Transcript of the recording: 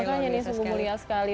makanya ini sungguh mulia sekali